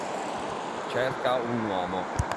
Cerca un uomo.